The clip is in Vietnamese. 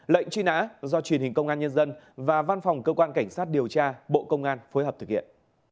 lệnh truy nã do truyền hình công an nhân dân và văn phòng cơ quan cảnh sát điều tra bộ công an phối hợp thực hiện